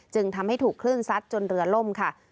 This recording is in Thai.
จึงทำให้ถูกคลื่นซัดจนเรือล่มค่ะ